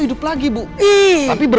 pasti terlalu minggu ya udah rambut